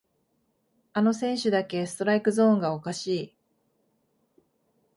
あの選手だけストライクゾーンがおかしい